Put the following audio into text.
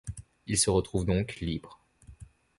Il se retrouve donc libre.